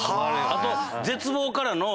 あと絶望からの。